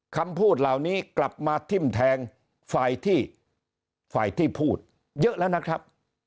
คำพูดเหล่านี้กลับมาทิ้มแทงฝ่ายที่ฝ่ายที่พูดเยอะแล้วนะครับ